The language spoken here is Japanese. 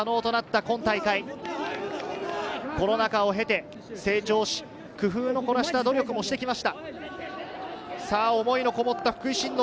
今大会、コロナ禍を経て、成長し、工夫を凝らした努力もしてきました。